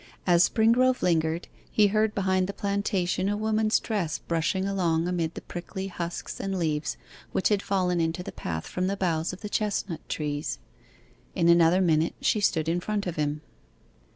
As Springrove lingered he heard behind the plantation a woman's dress brushing along amid the prickly husks and leaves which had fallen into the path from the boughs of the chestnut trees. In another minute she stood in front of him.